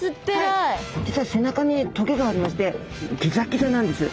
実は背中にトゲがありましてギザギザなんです。